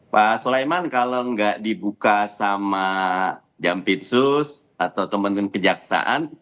pak sulaiman kalau nggak dibuka sama jampitsus atau teman teman kejaksaan